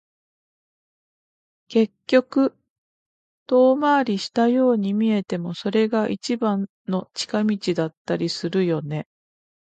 結局、遠回りしたように見えても、それが一番の近道だったりするよね。